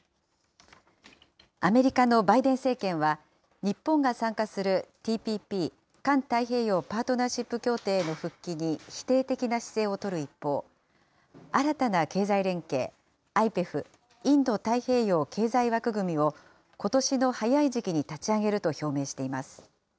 アメリカのバイデン政権は、日本が参加するＴＰＰ・環太平洋パートナーシップ協定への復帰に否定的な姿勢を取る一方、新たな経済連携、ＩＰＥＦ・インド太平洋経済枠組みをことしの早い時期に立ち上げると表明しています。